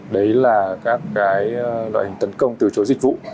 đấy là các cái loại hình tấn công từ chối dịch vụ